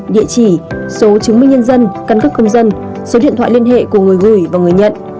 địa chỉ số chứng minh nhân dân căn cước công dân số điện thoại liên hệ của người gửi và người nhận